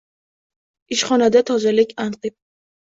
Ishxonada tozalik anqib